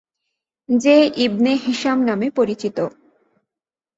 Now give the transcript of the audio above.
যে Ibn Hisham নামে পরিচিত।